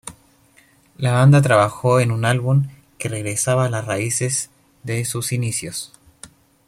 La banda trabajó en un álbum que regresaba a las raíces de sus inicios.